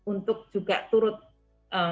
untuk juga kewirausahaan